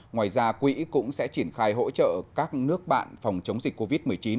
ngoài ra quỹ cũng sẽ triển khai hỗ trợ các nước bạn phòng chống dịch covid một mươi chín